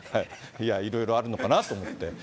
いや、いろいろあるのかなと思って。